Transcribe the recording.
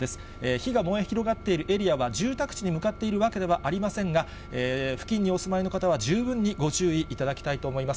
火が燃え広がっているエリアは住宅地に向かっているわけではありませんが、付近にお住まいの方は十分にご注意いただきたいと思います。